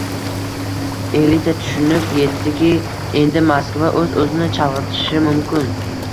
Elita tushunib yetdiki, endi Moskva o'z -o'zini chalg'itishi mumkin